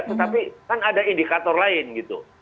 tetapi kan ada indikator lain gitu